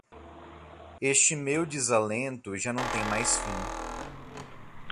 Este meu desalento já não tem mais fim.